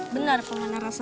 benar apa mana rasa